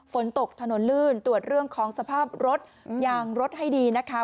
ฝนตกถนนลื่นตรวจเรื่องของสภาพรถยางรถให้ดีนะคะ